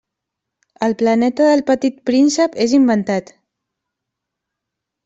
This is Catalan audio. El planeta del Petit Príncep és inventat.